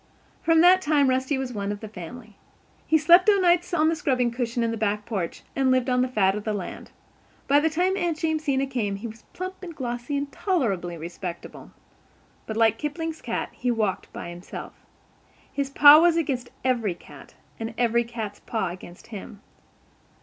From that time Rusty was one of the family. He slept o'nights on the scrubbing cushion in the back porch and lived on the fat of the land. By the time Aunt Jamesina came he was plump and glossy and tolerably respectable. But, like Kipling's cat, he "walked by himself." His paw was against every cat, and every cat's paw against him.